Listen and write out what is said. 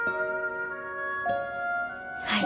はい。